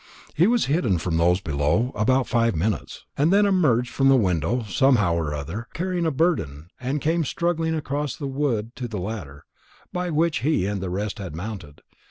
He was hidden from those below about five minutes, and then emerged from the window, somehow or other, carrying a burden, and came struggling across the wood to the ladder by which he and the rest had mounted.